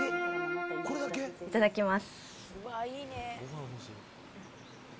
いただきます。